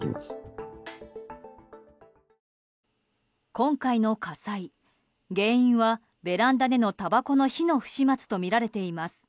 今回の火災原因は、ベランダでのたばこの火の不始末とみられています。